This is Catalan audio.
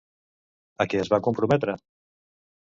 A què es va comprometre?